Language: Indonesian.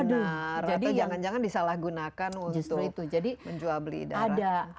atau jangan jangan disalah gunakan untuk menjual beli darah